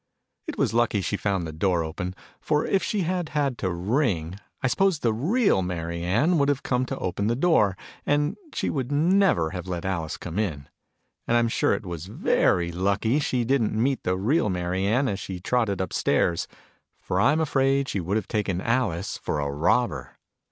It was lucky she found the door open : for, if she had had to ring, I suppose the real Mary Ann would have come to open the door : and she would never have let Alice come in. And I'm sure it was very lucky she didn't meet the real Mary Ann, as she trotted upstairs : for I'm afraid she would have taken Alice for a robber